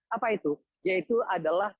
apa itu yaitu adalah